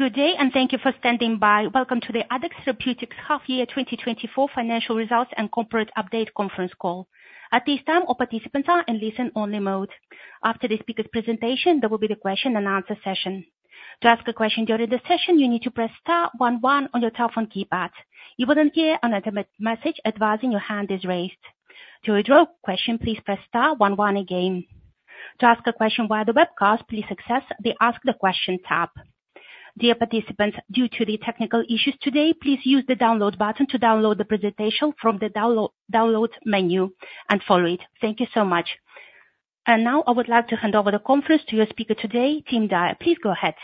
Good day, and thank you for standing by. Welcome to the Addex Therapeutics Half Year 2024 Financial Results and Corporate Update conference call. At this time, all participants are in listen-only mode. After the speaker's presentation, there will be the question and answer session. To ask a question during the session, you need to press star one one on your telephone keypad. You will then hear an automated message advising that your hand is raised. To withdraw your question, please press star one one again. To ask a question via the webcast, please access the Ask the Question tab. Dear participants, due to the technical issues today, please use the Download button to download the presentation from the download menu and follow it. Thank you so much. And now I would like to hand over the conference to your speaker today, Tim Dyer. Please go ahead.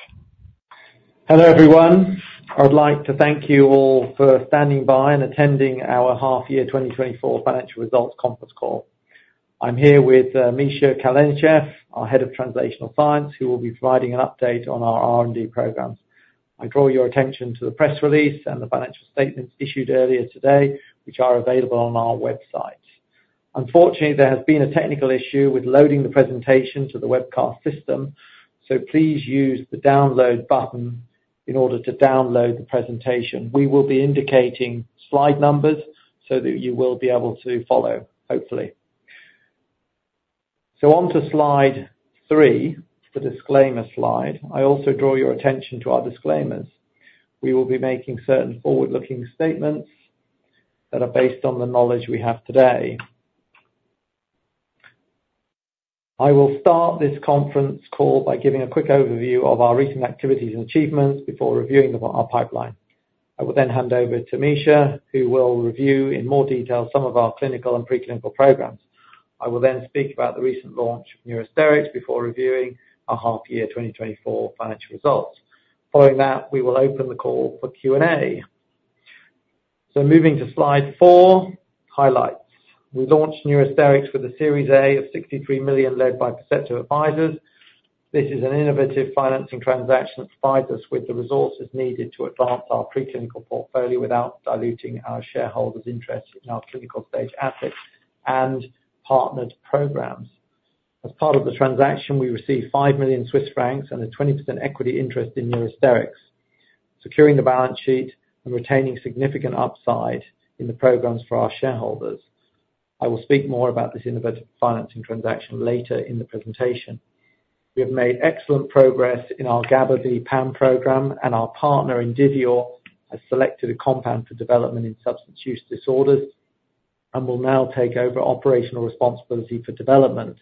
Hello, everyone. I would like to thank you all for standing by and attending our Half Year 2024 Financial Results conference call. I'm here with Mikhail Kalinichev, our Head of Translational Science, who will be providing an update on our R&D programs I draw your attention to the press release and the financial statements issued earlier today, which are available on our website. Unfortunately, there has been a technical issue with loading the presentation to the webcast system, so please use the download button in order to download the presentation. We will be indicating slide numbers so that you will be able to follow, hopefully. So on to slide three, the disclaimer slide. I also draw your attention to our disclaimers. We will be making certain forward-looking statements that are based on the knowledge we have today. I will start this conference call by giving a quick overview of our recent activities and achievements before reviewing them on our pipeline. I will then hand over to Mikhail, who will review in more detail some of our clinical and preclinical programs. I will then speak about the recent launch of Neurosterix before reviewing our half-year 2024 financial results. Following that, we will open the call for Q&A. So moving to slide four, highlights. We launched Neurosterix with a Series A of $63 million, led by Perceptive Advisors. This is an innovative financing transaction that provides us with the resources needed to advance our preclinical portfolio without diluting our shareholders' interest in our clinical-stage assets and partners programs. As part of the transaction, we received 5 million Swiss francs and a 20% equity interest in Neurosterix, securing the balance sheet and retaining significant upside in the programs for our shareholders. I will speak more about this innovative financing transaction later in the presentation. We have made excellent progress in our GABAB PAM program, and our partner, Indivior, has selected a compound for development in substance use disorders and will now take over operational responsibility for development.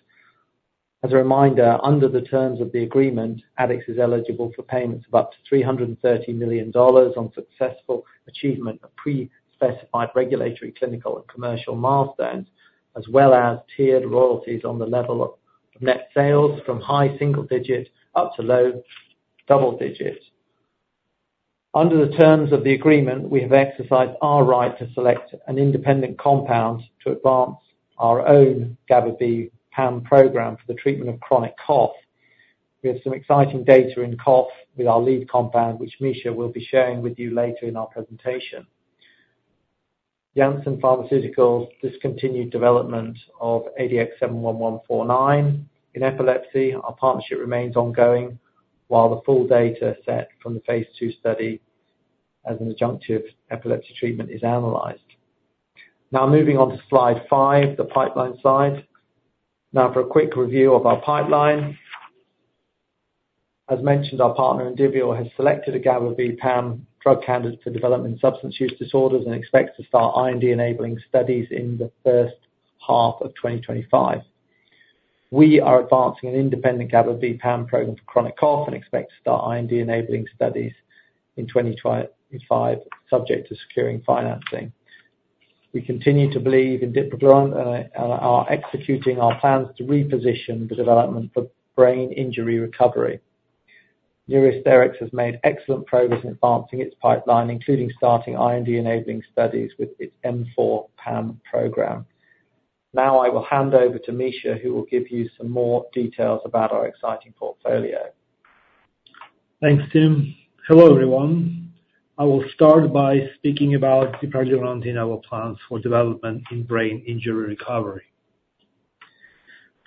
As a reminder, under the terms of the agreement, Addex is eligible for payments of up to $330 million on successful achievement of pre-specified regulatory, clinical, and commercial milestones, as well as tiered royalties on the level of net sales from high single digits up to low double digits. Under the terms of the agreement, we have exercised our right to select an independent compound to advance our own GABA-B PAM program for the treatment of chronic cough. We have some exciting data in cough with our lead compound, which Mikhail will be sharing with you later in our presentation. Janssen Pharmaceuticals discontinued development of ADX71149 in epilepsy. Our partnership remains ongoing, while the full data set from the phase II study as an adjunctive epilepsy treatment is analyzed. Now, moving on to slide five, the pipeline slide. Now for a quick review of our pipeline. As mentioned, our partner, Indivior, has selected a GABAB PAM drug candidate for development in substance use disorders and expects to start IND-enabling studies in the H1 of 2025. We are advancing an independent GABAB PAM program for chronic cough and expect to start IND-enabling studies in 2025, subject to securing financing. We continue to believe in dipraglurant and are executing our plans to reposition the development for brain injury recovery. Neurosterix has made excellent progress in advancing its pipeline, including starting IND-enabling studies with its M4 PAM program. Now, I will hand over to Mikhail, who will give you some more details about our exciting portfolio. Thanks, Tim. Hello, everyone. I will start by speaking about dipraglurant in our plans for development in brain injury recovery.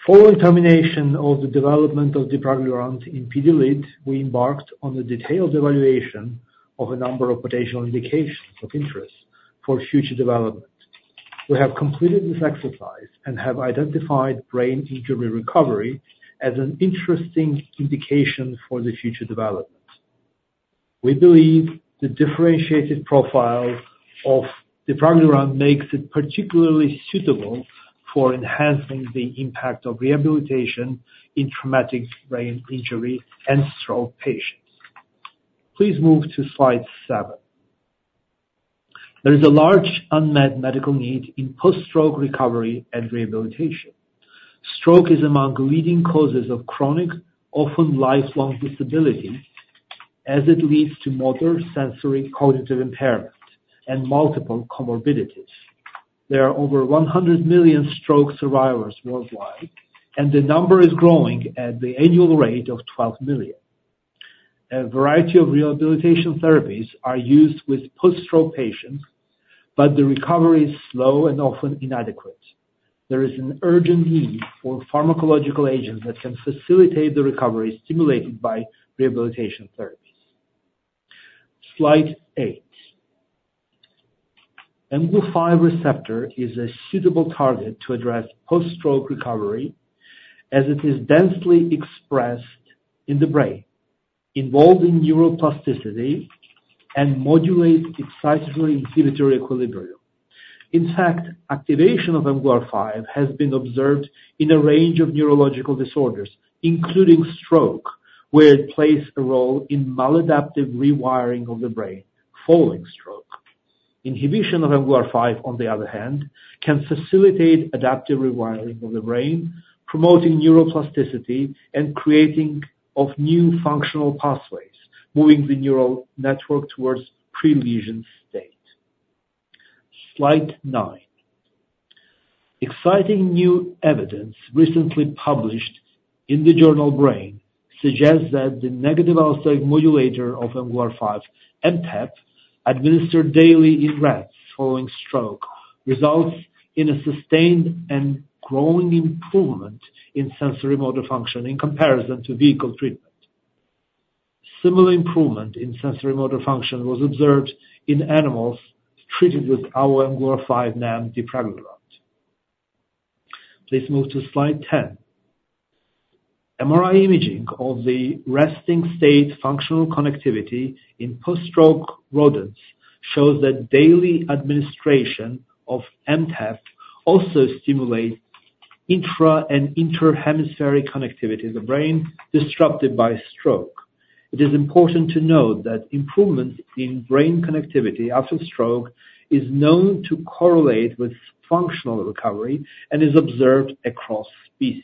Following termination of the development of dipraglurant in PD lead, we embarked on a detailed evaluation of a number of potential indications of interest for future development. We have completed this exercise and have identified brain injury recovery as an interesting indication for the future development. We believe the differentiated profile of dipraglurant makes it particularly suitable for enhancing the impact of rehabilitation in traumatic brain injury and stroke patients. Please move to slide seven. There is a large unmet medical need in post-stroke recovery and rehabilitation. Stroke is among the leading causes of chronic, often lifelong, disability as it leads to motor, sensory, cognitive impairment and multiple comorbidities. There are over one hundred million stroke survivors worldwide, and the number is growing at the annual rate of 12 million. A variety of rehabilitation therapies are used with post-stroke patients, but the recovery is slow and often inadequate. There is an urgent need for pharmacological agents that can facilitate the recovery stimulated by rehabilitation therapies. Slide eight. mGlu5 receptor is a suitable target to address post-stroke recovery, as it is densely expressed in the brain, involved in neuroplasticity, and modulates excitable inhibitory equilibrium. In fact, activation of mGlu5 has been observed in a range of neurological disorders, including stroke, where it plays a role in maladaptive rewiring of the brain following stroke. Inhibition of mGlu5, on the other hand, can facilitate adaptive rewiring of the brain, promoting neuroplasticity and creating of new functional pathways, moving the neural network towards pre-lesion state. Slide nine. Exciting new evidence recently published in the journal Brain suggests that the negative allosteric modulator of mGlu5, mTEP, administered daily in rats following stroke, results in a sustained and growing improvement in sensorimotor function in comparison to vehicle treatment. Similar improvement in sensorimotor function was observed in animals treated with our mGlu5 NAM, dipraglurant. Please move to slide 10. MRI imaging of the resting state functional connectivity in post-stroke rodents shows that daily administration of mTEP also stimulates intra and interhemispheric connectivity, the brain disrupted by stroke. It is important to note that improvement in brain connectivity after stroke is known to correlate with functional recovery and is observed across species.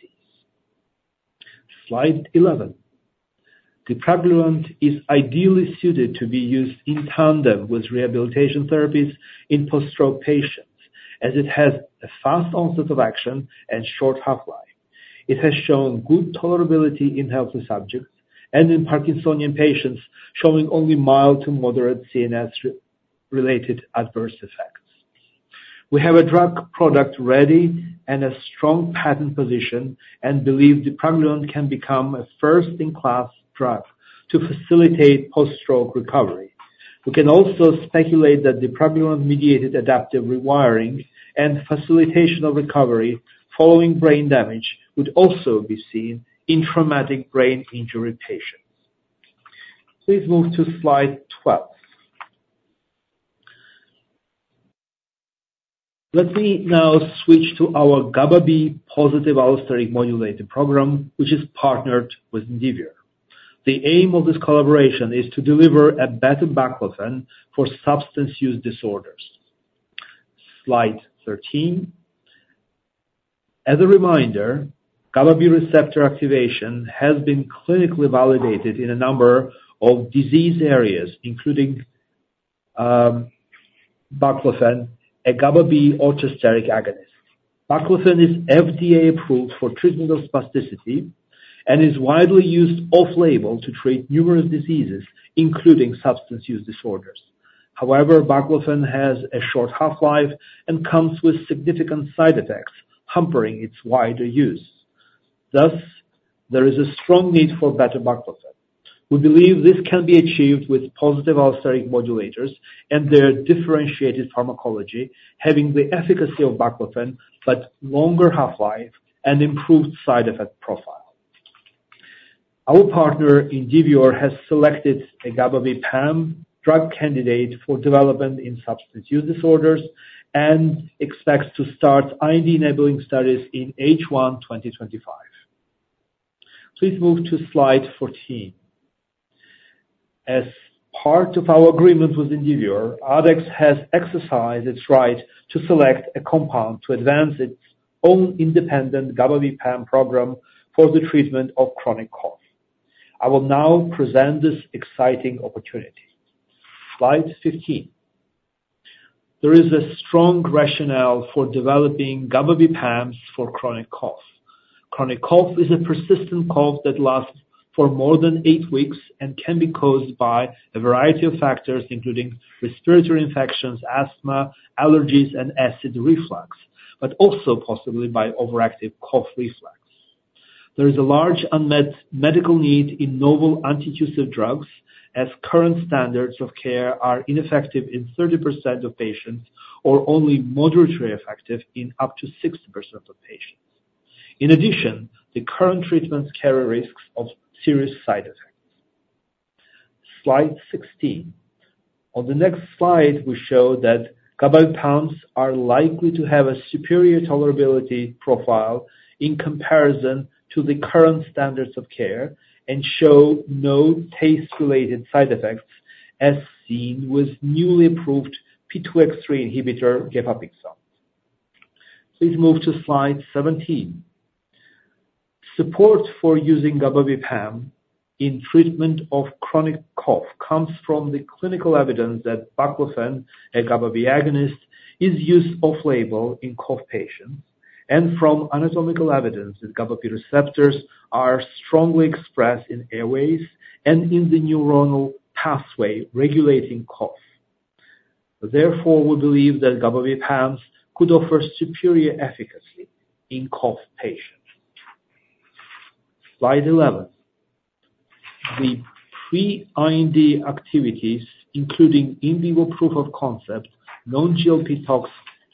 Slide 11. Dipraglurant is ideally suited to be used in tandem with rehabilitation therapies in post-stroke patients, as it has a fast onset of action and short half-life. It has shown good tolerability in healthy subjects and in Parkinsonian patients, showing only mild to moderate CNS-related adverse effects. We have a drug product ready and a strong patent position, and believe dipraglurant can become a first-in-class drug to facilitate post-stroke recovery. We can also speculate that dipraglurant-mediated adaptive rewiring and facilitational recovery following brain damage, would also be seen in traumatic brain injury patients. Please move to slide twelve. Let me now switch to our GABAB positive allosteric modulator program, which is partnered with Indivior. The aim of this collaboration is to deliver a better baclofen for substance use disorders. Slide 13. As a reminder, GABAB receptor activation has been clinically validated in a number of disease areas, including, baclofen, a GABAB allosteric agonist. Baclofen is FDA approved for treatment of spasticity and is widely used off-label to treat numerous diseases, including substance use disorders. However, baclofen has a short half-life and comes with significant side effects, hampering its wider use. Thus, there is a strong need for better baclofen. We believe this can be achieved with positive allosteric modulators and their differentiated pharmacology, having the efficacy of baclofen, but longer half-life and improved side effect profile. Our partner, Indivior, has selected a GABAB PAM drug candidate for development in substance use disorders, and expects to start IND-enabling studies in H1, 2025. Please move to slide 14. As part of our agreement with Indivior, Addex has exercised its right to select a compound to advance its own independent GABAB PAM program for the treatment of chronic cough. I will now present this exciting opportunity. Slide 15. There is a strong rationale for developing GABAB PAMs for chronic cough. Chronic cough is a persistent cough that lasts for more than eight weeks and can be caused by a variety of factors, including respiratory infections, asthma, allergies, and acid reflux, but also possibly by overactive cough reflex. There is a large unmet medical need in novel antitussive drugs, as current standards of care are ineffective in 30% of patients, or only moderately effective in up to 60% of patients. In addition, the current treatments carry risks of serious side effects. Slide 16. On the next slide, we show that GABA-B PAMs are likely to have a superior tolerability profile in comparison to the current standards of care, and show no taste-related side effects, as seen with newly approved P2X3 inhibitor, gefapixant. Please move to slide 17. Support for using GABAB PAM in treatment of chronic cough comes from the clinical evidence that baclofen, a GABAB agonist, is used off-label in cough patients, and from anatomical evidence that GABAB receptors are strongly expressed in airways and in the neuronal pathway regulating cough. Therefore, we believe that GABAB PAMs could offer superior efficacy in cough patients. Slide 11. The pre-IND activities, including in vivo proof of concept, non-GLP tox,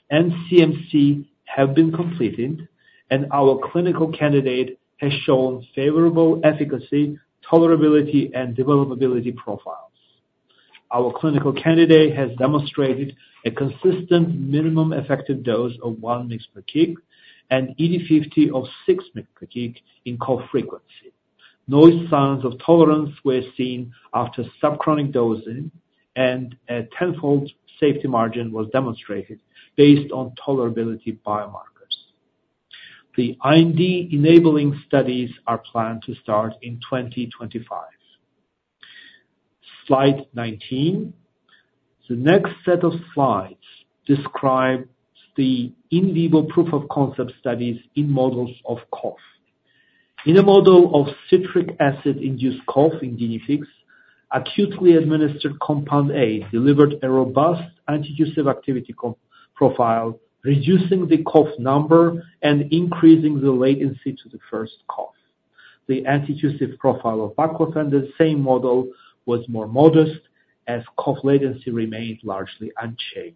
and CMC, have been completed, and our clinical candidate has shown favorable efficacy, tolerability, and developability profiles. Our clinical candidate has demonstrated a consistent minimum effective dose of one mg/kg and ED 50 of six mg/kg in cough frequency. No signs of tolerance were seen after subchronic dosing, and a tenfold safety margin was demonstrated based on tolerability biomarkers. The IND-enabling studies are planned to start in 2025. Slide 19. The next set of slides describes the in vivo proof-of-concept studies in models of cough. In a model of citric acid-induced cough in guinea pigs, acutely administered compound A delivered a robust antitussive activity cough profile, reducing the cough number and increasing the latency to the first cough. The antitussive profile of baclofen in the same model was more modest, as cough latency remained largely unchanged.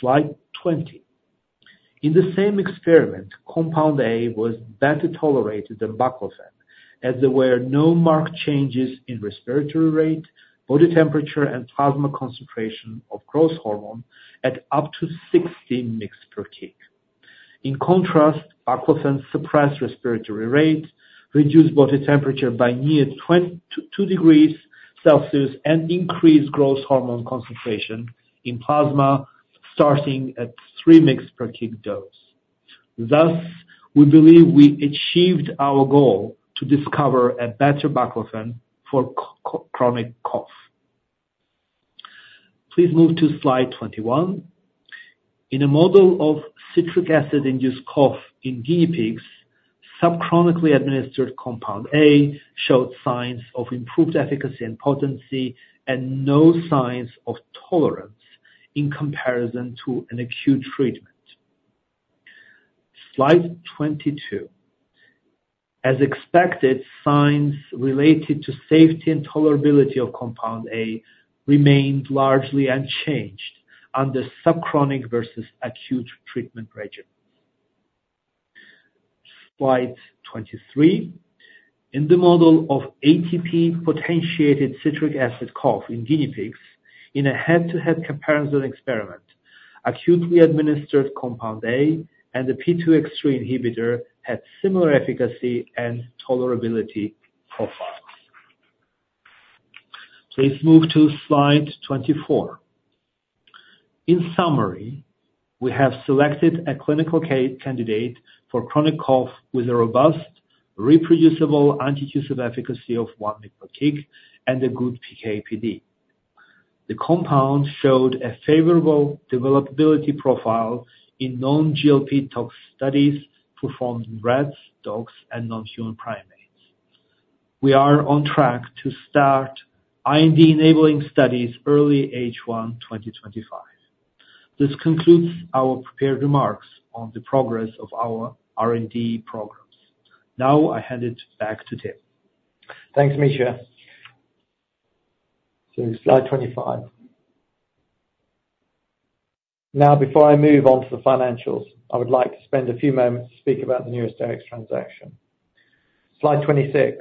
Slide 20. In the same experiment, compound A was better tolerated than baclofen, as there were no marked changes in respiratory rate, body temperature, and plasma concentration of growth hormone at up to 16 mg/kg. In contrast, baclofen suppressed respiratory rate, reduced body temperature by nearly two degrees Celsius, and increased growth hormone concentration in plasma, starting at 3 mg/kg dose. Thus, we believe we achieved our goal to discover a better baclofen for chronic cough. Please move to slide 21. In a model of citric acid-induced cough in guinea pigs, subchronically administered compound A showed signs of improved efficacy and potency and no signs of tolerance in comparison to an acute treatment. Slide 22. As expected, signs related to safety and tolerability of compound A remained largely unchanged under subchronic versus acute treatment regimens. Slide 23. In the model of ATP-potentiated citric acid cough in guinea pigs, in a head-to-head comparison experiment, acutely administered compound A and the P2X3 inhibitor had similar efficacy and tolerability profiles. Please move to slide 24. In summary, we have selected a clinical candidate for chronic cough with a robust, reproducible, antitussive efficacy of one mg/kg and a good PK/PD. The compound showed a favorable developability profile in non-GLP tox studies performed in rats, dogs, and non-human primates. We are on track to start IND-enabling studies early H1, 2025. This concludes our prepared remarks on the progress of our R&D programs. Now I hand it back to Tim. Thanks, Mikhail. So slide 25. Now, before I move on to the financials, I would like to spend a few moments to speak about the Neurosterix transaction. Slide 26.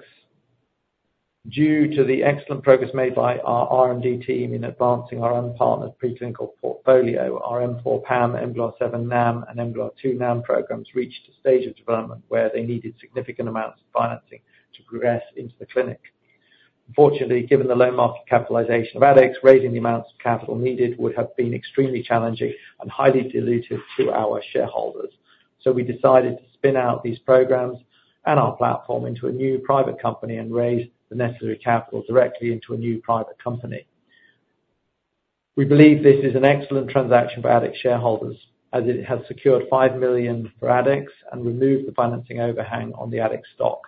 Due to the excellent progress made by our R&D team in advancing our own partnered preclinical portfolio, our M4 PAM, mGlu7 NAM, and mGlu2 NAM programs reached a stage of development where they needed significant amounts of financing to progress into the clinic. Unfortunately, given the low market capitalization of Addex, raising the amounts of capital needed would have been extremely challenging and highly dilutive to our shareholders. So we decided to spin out these programs and our platform into a new private company and raise the necessary capital directly into a new private company. We believe this is an excellent transaction for Addex shareholders, as it has secured $5 million for Addex and removed the financing overhang on the Addex stock.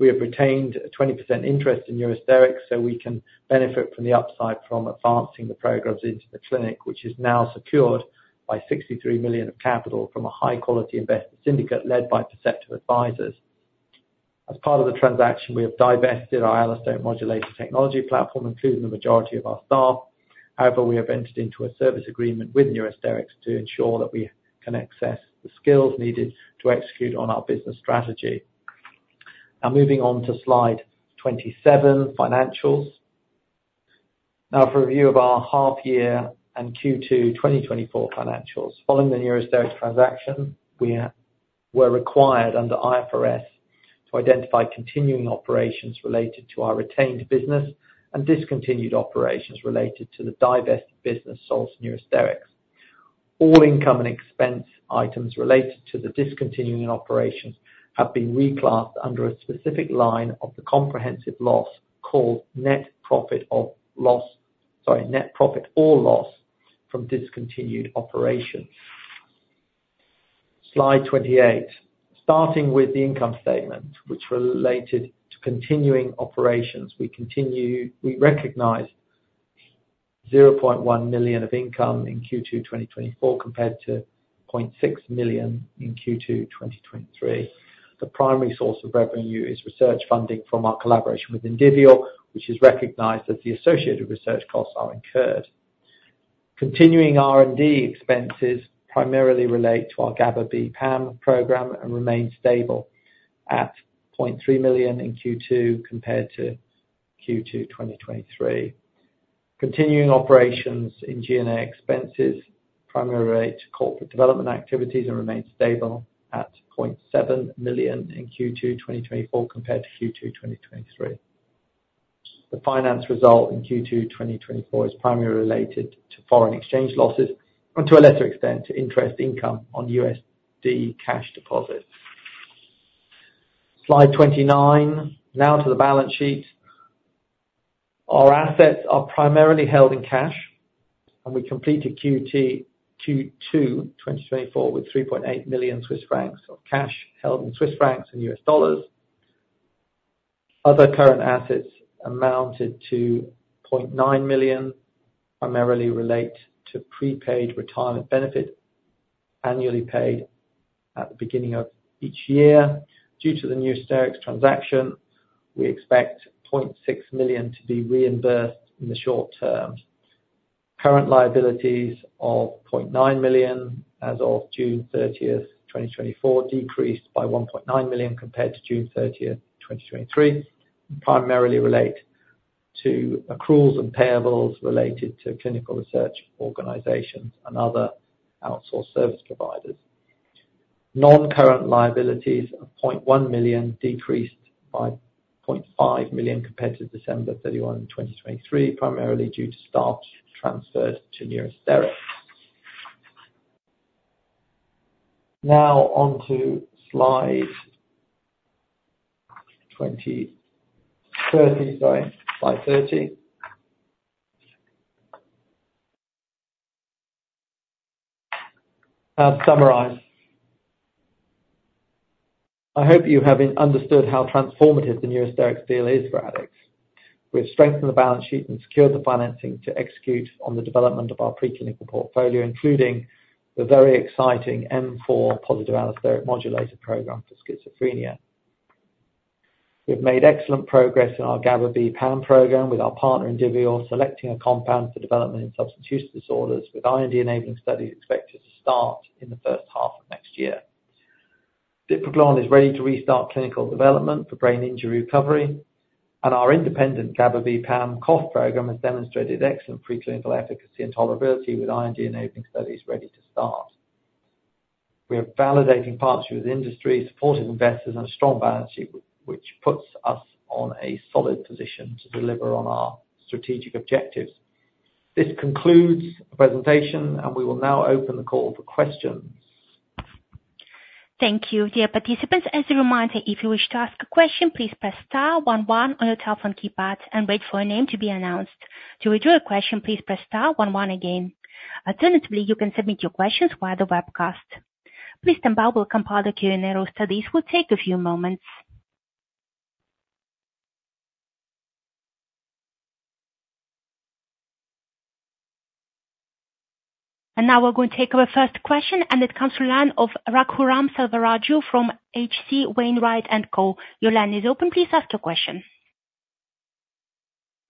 We have retained a 20% interest in Neurosterix, so we can benefit from the upside from advancing the programs into the clinic, which is now secured by $63 million of capital from a high-quality investment syndicate led by Perceptive Advisors. As part of the transaction, we have divested our allosteric modulator technology platform, including the majority of our staff. However, we have entered into a service agreement with Neurosterix to ensure that we can access the skills needed to execute on our business strategy. Now moving on to slide 27, financials. Now for a review of our half year and Q2 2024 financials. Following the Neurosterix transaction, we are, were required under IFRS to identify continuing operations related to our retained business and discontinued operations related to the divested business sold to Neurosterix. All income and expense items related to the discontinuing operations have been reclassed under a specific line of the comprehensive loss called Net Profit of Loss, sorry, Net Profit or Loss from Discontinued Operations. Slide 28. Starting with the income statement, which related to continuing operations, we continue, we recognize $0.1 million of income in Q2 2024, compared to $0.6 million in Q2 2023. The primary source of revenue is research funding from our collaboration with Indivior, which is recognized that the associated research costs are incurred. Continuing R&D expenses primarily relate to our GABAB PAM program and remain stable at $0.3 million in Q2 compared to Q2 2023. Continuing operations in G&A expenses primarily relate to corporate development activities and remain stable at $0.7 million in Q2 2024 compared to Q2 2023. The finance result in Q2 2024 is primarily related to foreign exchange losses and, to a lesser extent, to interest income on USD cash deposits. Slide 29. Now to the balance sheet. Our assets are primarily held in cash, and we completed Q2 2024 with 3.8 million Swiss francs of cash held in Swiss francs and US dollars. Other current assets amounted to $0.9 million, primarily relate to prepaid retirement benefit annually paid at the beginning of each year. Due to the Neurosterix transaction, we expect $0.6 million to be reimbursed in the short term. Current liabilities of $0.9 million as of June 30, 2024, decreased by 1.9 million compared to June 30, 2023, primarily relate to accruals and payables related to clinical research organizations and other outsourced service providers. Non-current liabilities of 0.1 million decreased by 0.5 million compared to December 31, 2023, primarily due to stocks transferred to Neurosterix. Now on to slide 30, sorry. Slide 30. To summarize, I hope you have understood how transformative the Neurosterix deal is for Addex. We've strengthened the balance sheet and secured the financing to execute on the development of our preclinical portfolio, including the very exciting M4 positive allosteric modulator program for schizophrenia. We've made excellent progress in our GABAB PAM program with our partner, Indivior, selecting a compound for development in substance use disorders, with IND-enabling studies expected to start in the H1 of next year. Dipraglurant is ready to restart clinical development for brain injury recovery, and our independent GABAB PAM cough program has demonstrated excellent preclinical efficacy and tolerability, with IND-enabling studies ready to start. We are validating partnerships with industry, supportive investors, and a strong balance sheet, which puts us on a solid position to deliver on our strategic objectives. This concludes the presentation, and we will now open the call for questions. Thank you. Dear participants, as a reminder, if you wish to ask a question, please press star one one on your telephone keypad and wait for your name to be announced. To withdraw your question, please press star one one again. Alternatively, you can submit your questions via the webcast. Please stand by, we'll compile the Q&A roster. This will take a few moments, and now we're going to take our first question, and it comes from the line of Raghuram Selvaraju from H.C. Wainwright & Co. Your line is open. Please ask your question.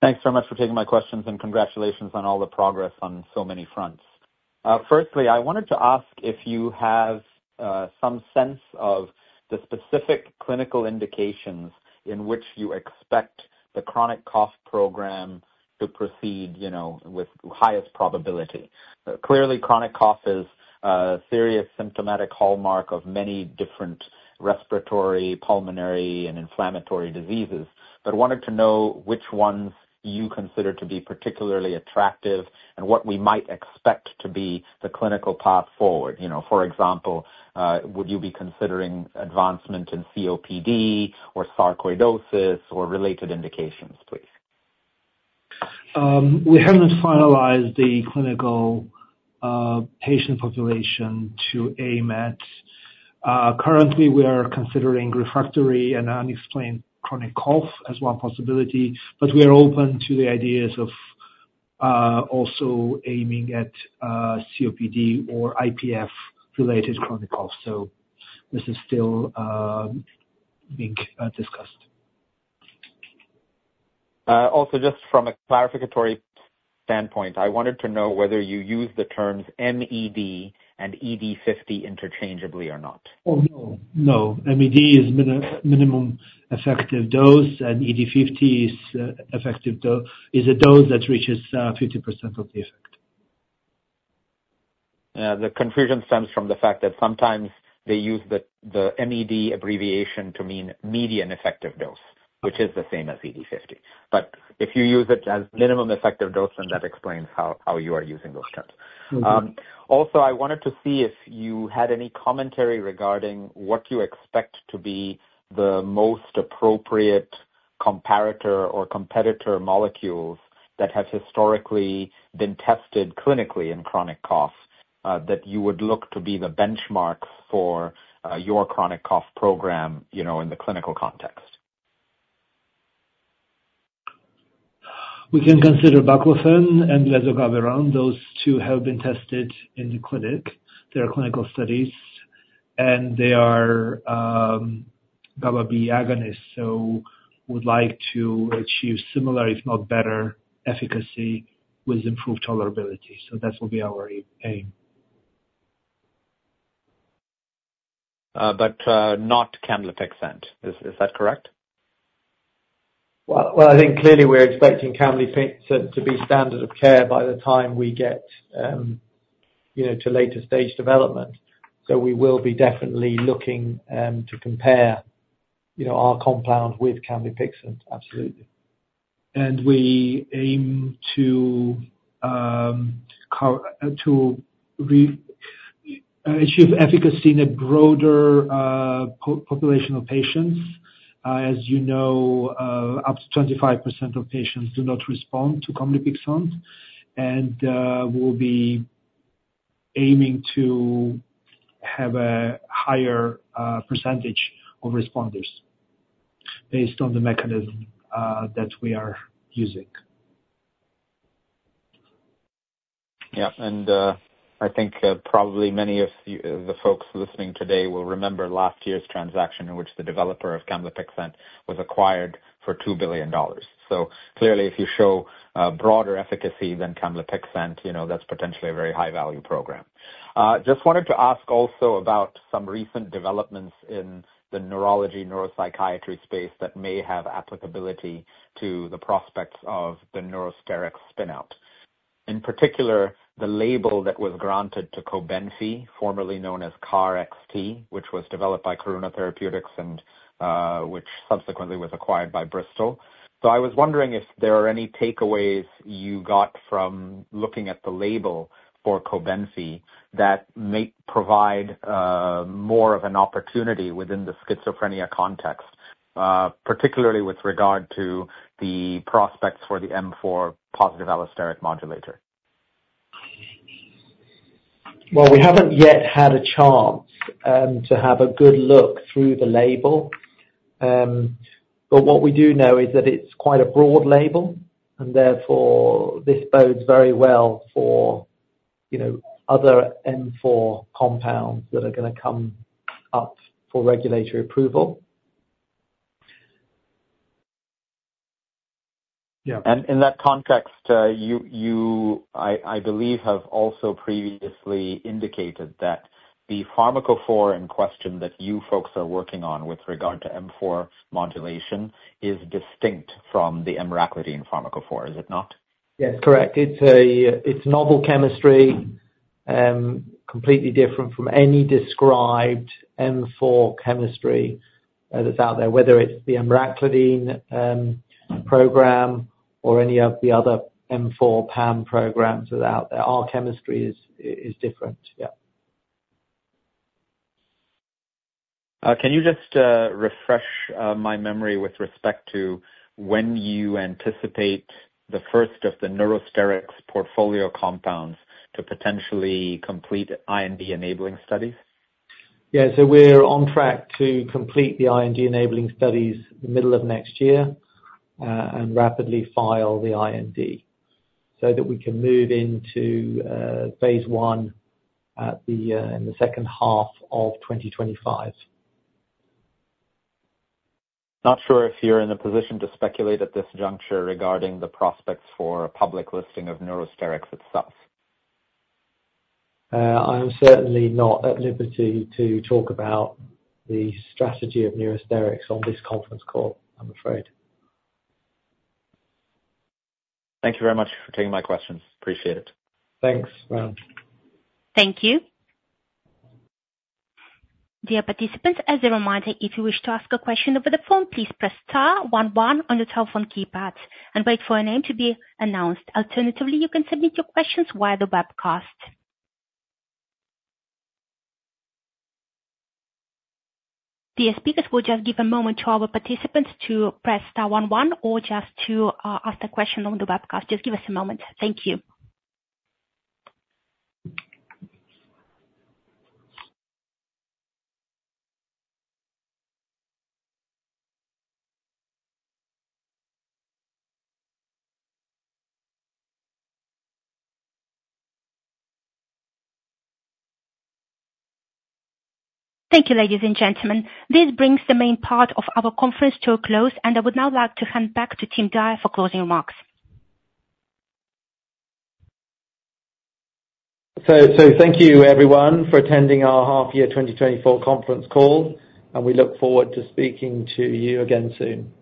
Thanks so much for taking my questions, and congratulations on all the progress on so many fronts. Firstly, I wanted to ask if you have some sense of the specific clinical indications in which you expect the chronic cough program to proceed, you know, with highest probability. Clearly, chronic cough is a serious symptomatic hallmark of many different respiratory, pulmonary, and inflammatory diseases. But I wanted to know which ones you consider to be particularly attractive and what we might expect to be the clinical path forward. You know, for example, would you be considering advancement in COPD or sarcoidosis or related indications, please? We haven't finalized the clinical patient population to aim at. Currently, we are considering refractory and unexplained chronic cough as one possibility, but we are open to the ideas of also aiming at COPD or IPF-related chronic cough. So this is still being discussed. Also, just from a clarificatory standpoint, I wanted to know whether you use the terms MED and ED50 interchangeably or not? Oh, no. No. MED is minimum effective dose, and ED50 is a dose that reaches 50% of the effect. The confusion stems from the fact that sometimes they use the MED abbreviation to mean median effective dose, which is the same as ED50. But if you use it as minimum effective dose, then that explains how you are using those terms. Mm-hmm. Also, I wanted to see if you had any commentary regarding what you expect to be the most appropriate comparator or competitor molecules that have historically been tested clinically in chronic cough, that you would look to be the benchmark for, your chronic cough program, you know, in the clinical context? We can consider baclofen and lesogavirant. Those two have been tested in the clinic. There are clinical studies, and they are GABAB agonists, so we'd like to achieve similar, if not better, efficacy with improved tolerability. So that will be our aim. But, not camlipixant. Is that correct? I think clearly we're expecting camlipixant to be standard of care by the time we get, you know, to later stage development. So we will be definitely looking to compare, you know, our compound with camlipixant. Absolutely. And we aim to achieve efficacy in a broader population of patients. As you know, up to 25% of patients do not respond to camlipixant. And we'll be aiming to have a higher percentage of responders based on the mechanism that we are using. Yeah. And I think probably many of you, the folks listening today, will remember last year's transaction, in which the developer of camlipixant was acquired for $2 billion. So clearly, if you show broader efficacy than camlipixant, you know, that's potentially a very high-value program. Just wanted to ask also about some recent developments in the neurology, neuropsychiatry space that may have applicability to the prospects of the Neurosterix spin-out. In particular, the label that was granted to Cobenfy, formerly known as KarXT, which was developed by Karuna Therapeutics and which subsequently was acquired by Bristol. So I was wondering if there are any takeaways you got from looking at the label for Cobenfy, that may provide more of an opportunity within the schizophrenia context, particularly with regard to the prospects for the M4 positive allosteric modulator. But we haven't yet had a chance to have a good look through the label, but what we do know is that it's quite a broad label, and therefore, this bodes very well for, you know, other M4 compounds that are gonna come up for regulatory approval. Yeah. And in that context, you, I believe, have also previously indicated that the pharmacophore in question that you folks are working on with regard to M4 modulation is distinct from the emraclidine pharmacophore, is it not? Yes, correct. It's novel chemistry, completely different from any described M4 chemistry that's out there, whether it's the emraclidine program or any of the other M4 PAM programs that are out there. Our chemistry is different. Yeah. Can you just refresh my memory with respect to when you anticipate the first of the Neurosterix portfolio compounds to potentially complete IND-enabling studies? Yeah, so we're on track to complete the IND-enabling studies in the middle of next year and rapidly file the IND, so that we can move into phase I in the H2 of 2025. Not sure if you're in a position to speculate at this juncture regarding the prospects for public listing of Neurosterix itself. I'm certainly not at liberty to talk about the strategy of Neurosterix on this conference call, I'm afraid. Thank you very much for taking my questions. Appreciate it. Thanks. Thank you. Dear participants, as a reminder, if you wish to ask a question over the phone, please press star one one on your telephone keypad and wait for your name to be announced. Alternatively, you can submit your questions via the webcast. Dear speakers, we'll just give a moment to our participants to press star one one or just to ask the question on the webcast. Just give us a moment. Thank you. Thank you, ladies and gentlemen. This brings the main part of our conference to a close, and I would now like to hand back to Tim Dyer for closing remarks. Thank you, everyone, for attending our half-year 2024 conference call, and we look forward to speaking to you again soon.